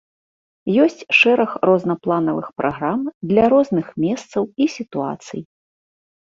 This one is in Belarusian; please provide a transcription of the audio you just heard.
Ёсць шэраг рознапланавых праграм для розных месцаў і сітуацый.